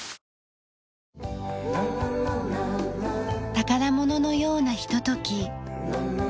宝物のようなひととき。